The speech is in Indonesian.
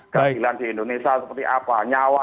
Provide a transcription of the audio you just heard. keadilan di indonesia seperti apa nyawa